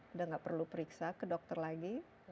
udah nggak perlu periksa ke dokter lagi